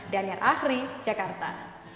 daniar ahri jakarta